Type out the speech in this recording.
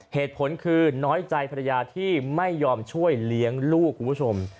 เหตุผลคือน้อยใจภรรยาที่ไม่ยอมช่วยเลี้ยงลูกคุณผู้ชม